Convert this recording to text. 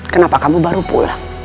kenapa kamu baru pulang